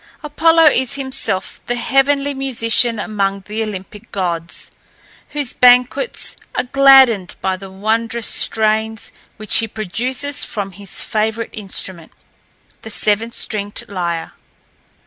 Apollo is himself the heavenly musician among the Olympic gods, whose banquets are gladdened by the wondrous strains which he produces from his favourite instrument, the seven stringed lyre.